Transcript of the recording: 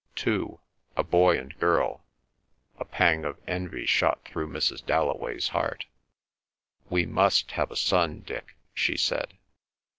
"Two. A boy and girl." A pang of envy shot through Mrs. Dalloway's heart. "We must have a son, Dick," she said.